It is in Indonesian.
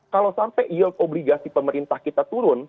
kalau sampai yield obligasi pemerintah kita turun